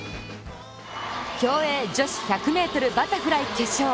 競泳女子１００ｍバタフライ決勝。